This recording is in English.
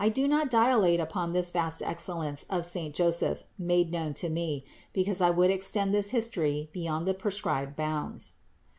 I do not dilate upon this vast excellence of saint Joseph made known to me, because I would extend this history beyond the pre scribed bounds.